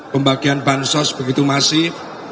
pembagian bansos begitu masif